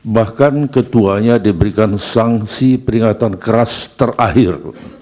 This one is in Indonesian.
bahkan ketuanya diberikan sanksi peringatan keras terakhir